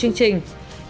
chương trình của bộ y tế